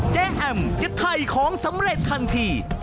แจ้แอมจะไถของสำเร็จทันที